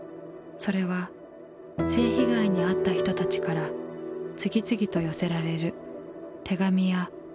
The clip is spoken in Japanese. それは性被害にあった人たちから次々と寄せられる手紙やメールだった。